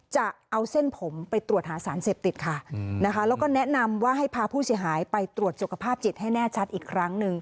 จะเอาเส้นผมไปตรวจหาสารเสพติดค่ะนะคะแล้วก็แนะนำว่าให้พาผู้เสียหายไปตรวจสุขภาพจิตให้แน่ชัดอีกครั้งหนึ่ง